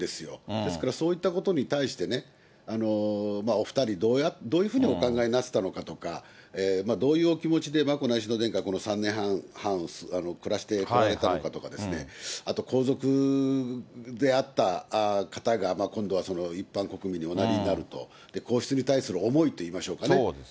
ですから、そういったことに対してね、お２人、どういうふうにお考えになってたのかとか、どういうお気持ちで、眞子内親王殿下、この３年半、暮らしてこられたのかとかですね、あと、皇族であった方が今度は一般国民におなりなると、皇室に対する思いといいましょうかね。